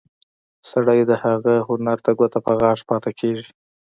سړی د هغه هنر ته ګوته په غاښ پاتې کېږي.